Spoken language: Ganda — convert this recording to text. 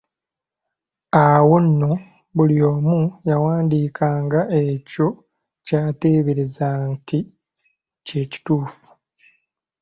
Awo nno buli omu yawandiikanga ekyo ky'ateebereza nti kye kituufu.